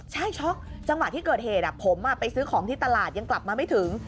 ใช่ช็อกจังหวะที่เกิดเหตุผมไปซื้อของที่ตลาดยังกลับมาไม่ถึง